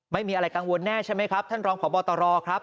ไม่มีอะไรกังวลแน่ใช่ไหมครับท่านรองพบตรครับ